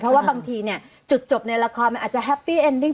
เพราะว่าบางทีเนี่ยจุดจบในละครมันอาจจะแฮปปี้เอ็นดิ้ง